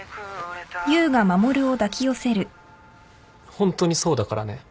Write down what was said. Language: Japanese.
ホントにそうだからね。